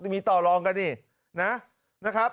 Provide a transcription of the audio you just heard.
มีต่อรองกันนี่นะ